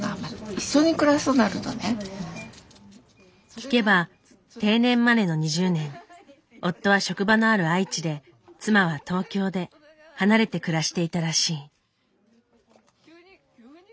聞けば定年までの２０年夫は職場のある愛知で妻は東京で離れて暮らしていたらしい。